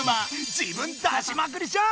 自分出しまくりじゃん！